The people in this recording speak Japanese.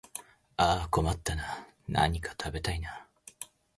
ああ困ったなあ、何か食べたいなあ